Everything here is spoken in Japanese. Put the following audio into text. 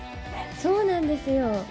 そうなんですよ。